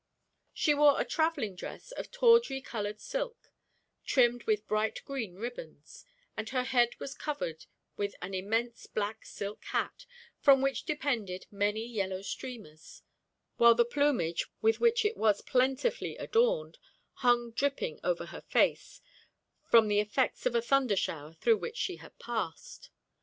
She wore a travelling dress of tawdry coloured silk, trimmed with bright green ribbands; and her head was covered with an immense black silk hat, from which depended many yellow streamers; while the plumage, with which it was plentifully adorned, hung dripping over her face, from the effects of a thunder shower thro' which she had passed.